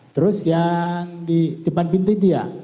terus yang di depan pintu itu ya